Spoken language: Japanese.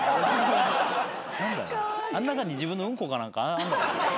あん中に自分のうんこか何かあんのかな？